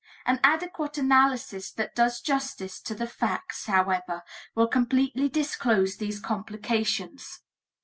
An adequate analysis that does justice to the facts, however, will completely disclose these complications.